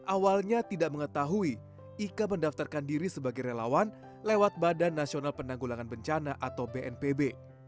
awalnya tidak mengetahui ika mendaftarkan diri sebagai relawan lewat badan nasional penanggulangan bencana atau bnpb